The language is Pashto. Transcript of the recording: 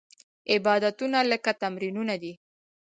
عبادتونه لکه تمرینونه دي.